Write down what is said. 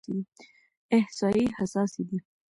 احصایې حساسې دي.